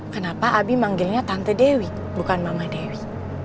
kenapa abi manggilnya tante dewi bukan mama dewi